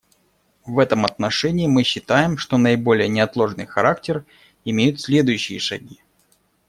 В этом отношении мы считаем, что наиболее неотложный характер имеют следующие шаги.